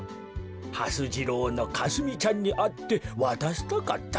はす次郎のかすみちゃんにあってわたしたかったカメ。